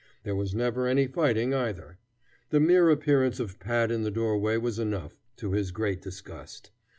There was never any fighting, either. The mere appearance of Pat in the doorway was enough, to his great disgust.